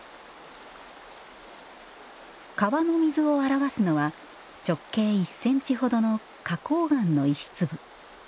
川の水を表すのは直径１センチほどの花崗岩の石粒。